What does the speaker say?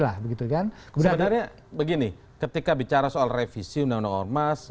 sebenarnya begini ketika bicara soal revisi undang undang ormas